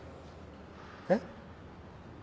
えっ？